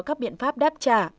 các biện pháp đáp trả